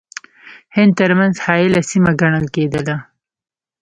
هند ترمنځ حایله سیمه ګڼله کېدله.